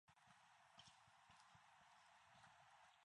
Wells grew up in Mount Pearl, Newfoundland and Labrador.